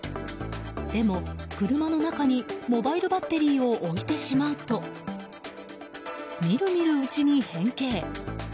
でも、車の中にモバイルバッテリーを置いてしまうと見る見るうちに変形。